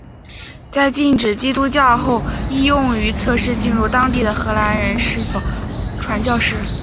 在禁止基督教后亦用于测试进入当地的荷兰人是否传教士。